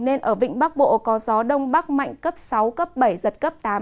nên ở vịnh bắc bộ có gió đông bắc mạnh cấp sáu cấp bảy giật cấp tám